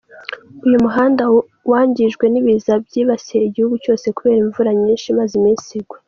Uyu muhanda wangijwe n’ibiza byibasiye igihugu cyose kubera imvura nyinshi imaze iminsi igwa.